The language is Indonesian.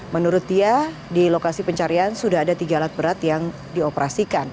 menurut dia di lokasi pencarian sudah ada tiga alat berat yang dioperasikan